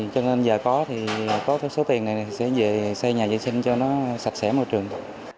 cho nên giờ có thì có cái số tiền này sẽ về xây nhà vệ sinh cho nó sạch sẽ môi trường